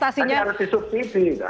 tapi harus disubsidi